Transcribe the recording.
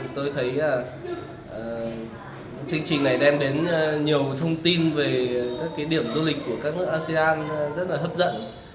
tôi thấy chương trình này đem đến nhiều thông tin về các điểm du lịch của các nước asean rất là hấp dẫn